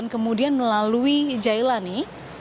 kemudian melalui jailani